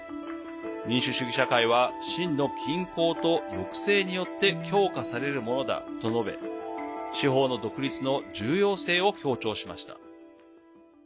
民主主義社会は真の均衡と抑制によって強化されるものだと述べ司法の独立の重要性を強調しました。